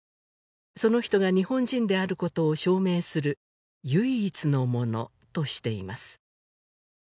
「その人が日本人であることを証明する」「唯一のもの」としています